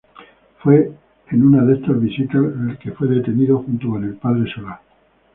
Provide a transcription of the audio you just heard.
Fue en una de estas visitas que fue detenido junto con el Padre Solá.